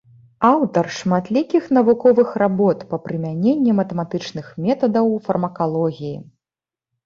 Аўтар шматлікіх навуковых работ па прымяненні матэматычных метадаў у фармакалогіі.